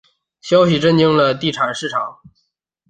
消息震惊了地产市场。